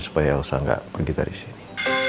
supaya elsa gak pergi dari sini